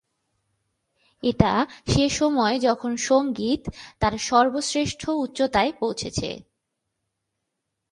এটা সে-সময় যখন সংগীত তার সর্বশ্রেষ্ঠ উচ্চতায় পৌঁছেছে।